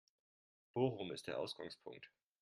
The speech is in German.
Bochum ist der Ausgangpunkt